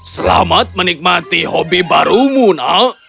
selamat menikmati hobi barumu nak